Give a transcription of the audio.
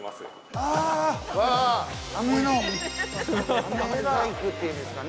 ◆あめ細工っていうんですかね。